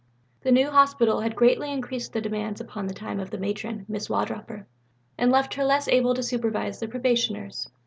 The new Hospital had greatly increased the demands upon the time of the Matron, Mrs. Wardroper, and left her less able to supervise the Probationers.